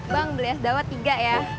bang beli es dawet tiga ya